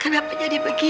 kenapa jadi begini